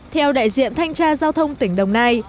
theo đại diện thanh tra giao thông tỉnh đồng nai